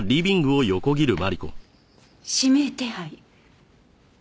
指名手配。